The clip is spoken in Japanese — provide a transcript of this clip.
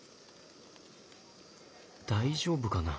大丈夫かな？